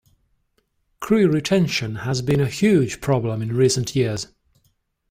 Crew retention has been a huge problem in recent years.